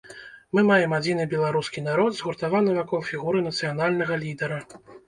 Мы маем адзіны беларускі народ, згуртаваны вакол фігуры нацыянальнага лідара.